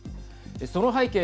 その背景